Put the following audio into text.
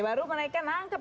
baru mereka menangkap